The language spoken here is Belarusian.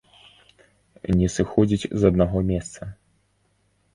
Не сыходзіць з аднаго месца!